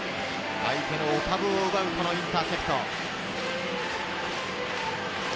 相手のお株を奪うインターセプト。